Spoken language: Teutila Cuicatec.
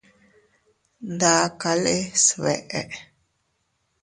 Ndakale sbeʼe.